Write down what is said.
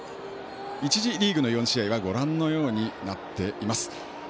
１次リーグの４試合はご覧のようになっています。